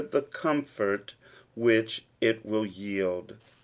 the comfort which it will yield.